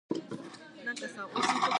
Do you have Anne's address?